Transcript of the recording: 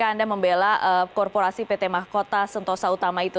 anda membela korporasi pt mahkota sentosa utama itu